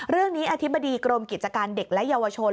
เรื่องนี้อธิบดีกรมกิจการเด็กและเยาวชน